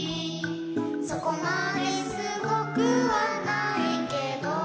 「そこまですごくはないけど」